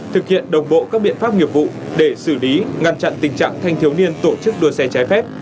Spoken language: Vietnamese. thực hiện đồng bộ các biện pháp nghiệp vụ để xử lý ngăn chặn tình trạng thanh thiếu niên tổ chức đua xe trái phép